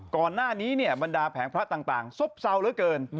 ก่อนหน้านี้เนี่ยบรรดาแผงพระต่างซบเศร้าเหลือเกิน